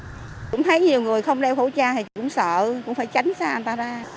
cũng thấy nhiều người không đeo khẩu trang thì cũng sợ cũng phải tránh xa anh ta ra